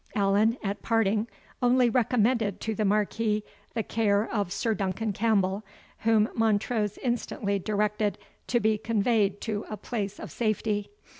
Allan, at parting, only recommended to the Marquis the care of Sir Duncan Campbell, whom Montrose instantly directed to be conveyed to a place of safety.